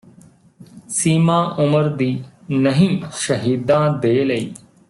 ਸੀਮਾਂ ਉਮਰ ਦੀ ਨਹੀਂ ਸ਼ਹੀਦਾਂ ਦੇ ਲਈ